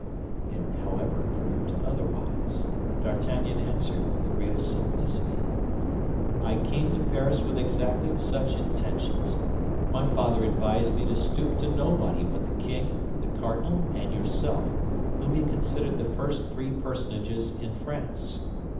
It, however, proved otherwise. D'Artagnan answered, with the greatest simplicity: "I came to Paris with exactly such intentions. My father advised me to stoop to nobody but the king, the cardinal, and yourself—whom he considered the first three personages in France."